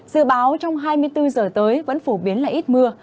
dự báo trong hai mươi bốn giờ tới vẫn phổ biến là ít mưa